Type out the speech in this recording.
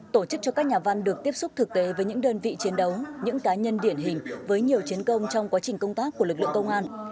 tổ chức cho các nhà văn được tiếp xúc thực tế với những đơn vị chiến đấu những cá nhân điển hình với nhiều chiến công trong quá trình công tác của lực lượng công an